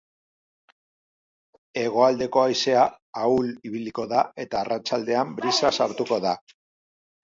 Hegoaldeko haizea ahul ibiliko da eta arratsaldean brisa sartuko da.